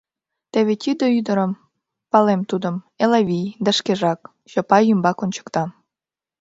— Теве тиде ӱдыр, палем тудым, Элавий, да шкежак, — Чопай ӱмбак ончыкта.